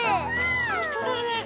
ほんとだね。